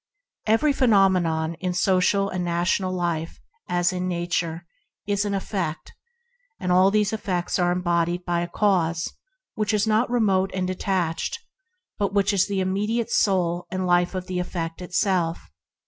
Every phenomenon in social and national life — as in Nature — is an effect, and all these effects arise in a cause neither remote nor detached, but the immediate soul and life of the effect itself.